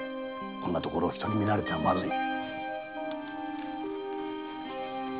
こんなところを人に見られてはまずい。